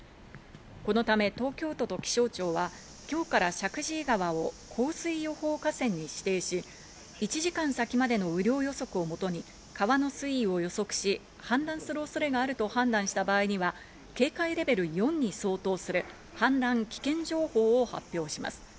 このため東京都と気象庁は、今日から石神井川を洪水予報河川に指定し、１時間先までの雨量予測をもとに川の水位を予測し、氾濫する恐れがあると判断した場合には、警戒レベル４に相当する氾濫危険情報を発表します。